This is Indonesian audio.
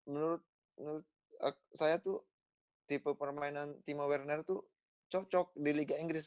menurut saya tuh tipe permainan timo werner itu cocok di liga inggris